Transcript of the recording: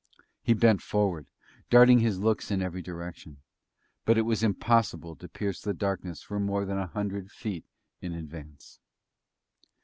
He bent forward, darting his looks in every direction; but it was impossible to pierce the darkness for more than a hundred feet in advance.